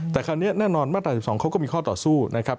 แต่คราวนี้แน่นอนมาตรา๑๒เขาก็มีข้อต่อสู้นะครับ